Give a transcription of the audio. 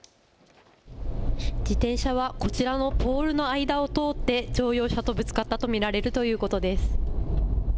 自転車はこちらのポールの間を通って乗用車とぶつかったと見られるということです。